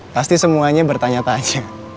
pasti semuanya bertanya tanya